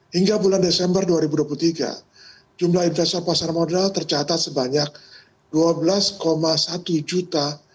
hingga bulan desember dua ribu dua puluh tiga jumlah investor pasar modal tercatat sebanyak dua belas satu juta